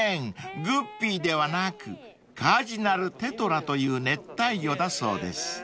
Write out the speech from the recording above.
グッピーではなくカージナルテトラという熱帯魚だそうです］